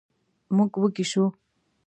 موږ وږي شوو.